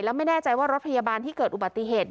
แล้วไม่แน่ใจว่ารถพยาบาลที่เกิดอุบัติเหตุ